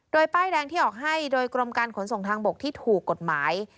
โดยป้ายแดงที่ออกให้โดยกรมการขนส่งทางบกที่ถูกกฎหมาย